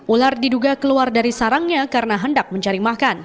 ular diduga keluar dari sarangnya karena hendak mencari makan